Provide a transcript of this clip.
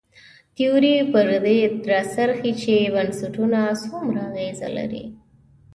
تیوري پر دې راڅرخي چې بنسټونه څومره اغېز لري.